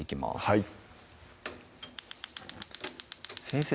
はい先生